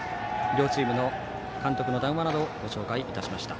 両チームの監督の談話などをご紹介しました。